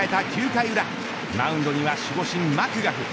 ９回裏マウンドには守護神マクガフ。